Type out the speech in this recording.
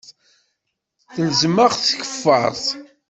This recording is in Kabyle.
Telzem-aɣ tkeffart.